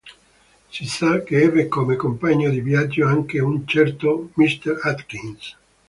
Si sa che ebbe come compagno di viaggio anche un certo Mr Atkins.